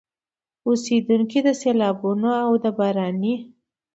اوسېدونکي د سيلابونو او د باراني